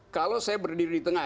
kalau saya berdiri di tengah